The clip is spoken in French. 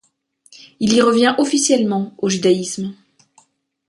Il y revient officiellement au judaïsme.